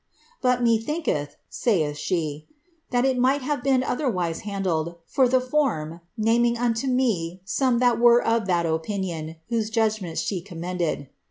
^But methinketh,' saith she, ^ that it might have been otherwise handled, for the form,' naming unto me some that were of that opinion, whose judgments she commended.